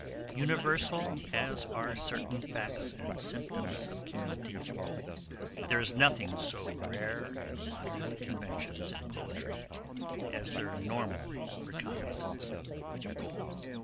... Universal as are certain facts and symptoms of communities ... there is nothing so rare in modern conventions and poetry as their normal recognizance.